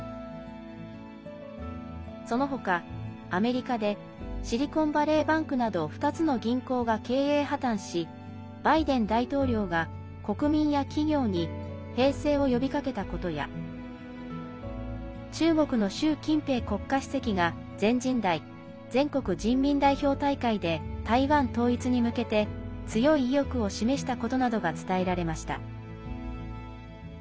その他、アメリカでシリコンバレーバンクなど２つの銀行が経営破綻しバイデン大統領が国民や企業に平静を呼びかけたことや中国の習近平国家主席が全人代＝全国人民代表大会で台湾統一に向けて強い意欲を示したことなどが伝えられました。